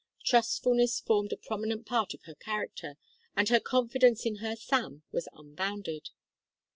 Trustfulness formed a prominent part of her character, and her confidence in her Sam was unbounded.